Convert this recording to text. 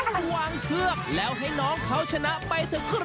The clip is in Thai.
กลัวทุกแล้วให้น้องเขาชนะไปก่อนครับ